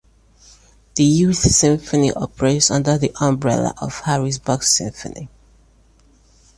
The Youth Symphony operates under the umbrella of the Harrisburg Symphony.